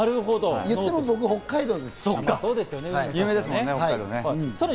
言っても僕は北海道ですから。